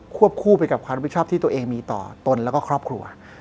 วบคู่ไปกับความรับผิดชอบที่ตัวเองมีต่อตนแล้วก็ครอบครัว